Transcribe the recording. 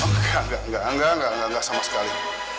enggak enggak enggak sama sekali